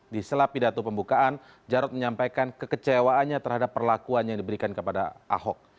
di sela pidato pembukaan jarod menyampaikan kekecewaannya terhadap perlakuan yang diberikan kepada ahok